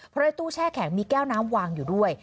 เพราะในตู้แช่แข็งมีแก้วน้ำวางอยู่ด้วย